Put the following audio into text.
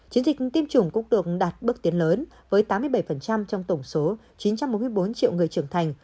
chiến dịch tiêm chủng cũng được đạt bước tiến lớn với tám mươi bảy trong tổng số chín trăm bốn mươi bốn triệu người trưởng thành